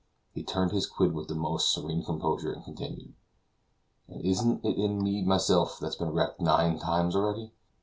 He turned his quid with the most serene composure, and continued: "And isn't it me myself that's been wrecked nine times already?